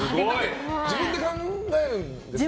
自分で考えるんですよね？